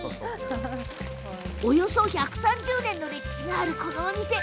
およそ１３０年の歴史があるこのお店。